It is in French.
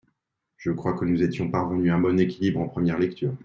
Je crois que nous étions parvenus à un bon équilibre en première lecture.